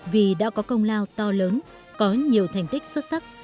vì đã có công lao to lớn có nhiều thành tích xuất sắc